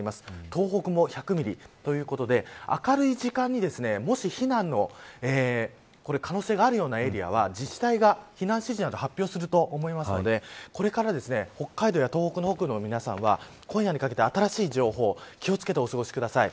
東北も１００ミリということで明るい時間に、もし避難の可能性があるようなエリアは自治体が避難指示など発表すると思うのでこれから北海道や東北北部の皆さんは今夜にかけて、新しい情報気を付けてお過ごしください。